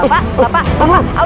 pak pak pak